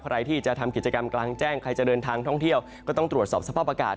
ใครที่จะทำกิจกรรมกลางแจ้งใครจะเดินทางท่องเที่ยวก็ต้องตรวจสอบสภาพอากาศ